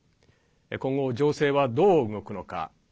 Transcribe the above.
今後、情勢はどう動くのか。